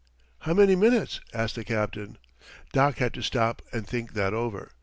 "How many minutes?" asked the captain. Doc had to stop and think that over.